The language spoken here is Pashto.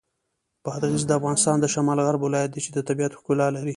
بادغیس د افغانستان د شمال غرب ولایت دی چې د طبیعت ښکلا لري.